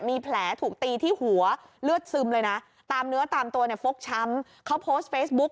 มีแผลถูกตีที่หัวเลือดซึมเลยนะตามเนื้อตามตัวเนี่ยฟกช้ำเขาโพสต์เฟซบุ๊ก